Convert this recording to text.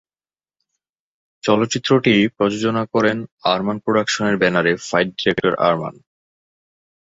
চলচ্চিত্রটি প্রযোজনা করেন আরমান প্রোডাকশনের ব্যানারে ফাইট ডিরেক্টর আরমান।